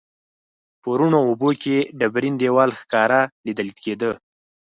په روڼو اوبو کې ډبرین دیوال ښکاره لیدل کیده.